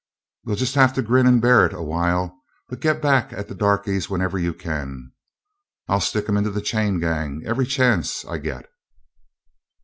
We'll just have to grin and bear it a while, but get back at the darkies whenever you can. I'll stick 'em into the chain gang every chance I get."